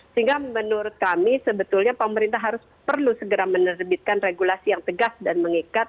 sehingga menurut kami sebetulnya pemerintah harus perlu segera menerbitkan regulasi yang tegas dan mengikat